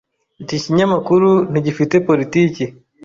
Iki kinyamakuru ntigifite politiki.